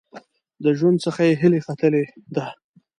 د ژوند څخه یې هیله ختلې ده .